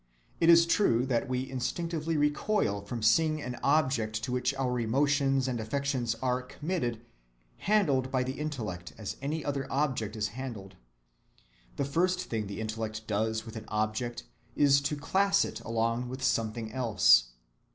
It is true that we instinctively recoil from seeing an object to which our emotions and affections are committed handled by the intellect as any other object is handled. The first thing the intellect does with an object is to class it along with something else.